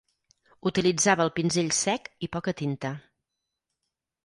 Utilitzava el pinzell sec i poca tinta.